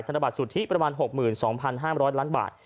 ธนบัตรสุทธิประมาณ๖๒๕๐๐ล้านบาท